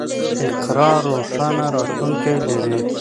اقرا روښانه راتلونکی لري.